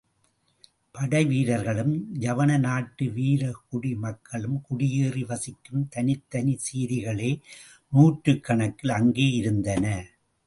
படைவீரர்களும் யவன நாட்டு வீரக்குடி மக்களும் குடியேறி வசிக்கும் தனித்தனிச் சேரிகளே நூற்றுக்கணக்கில் அங்கே இருந்தன.